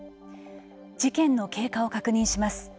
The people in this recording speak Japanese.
事件の経過を確認します。